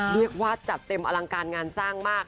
เรียกว่าจัดเต็มอลังการงานสร้างมาก